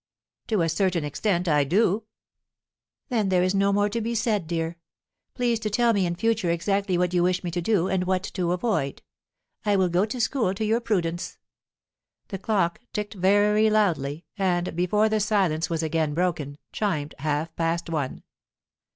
"To a certain extent, I do." "Then there is no more to be said, dear. Please to tell me in future exactly what you wish me to do, and what to avoid. I will go to school to your prudence." The clock ticked very loudly, and, before the silence was again broken, chimed half past one.